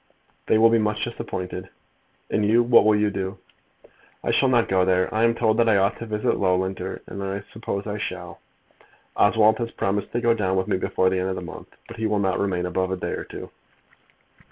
"They will be much disappointed." "And you? what will you do?" "I shall not go there. I am told that I ought to visit Loughlinter, and I suppose I shall. Oswald has promised to go down with me before the end of the month, but he will not remain above a day or two."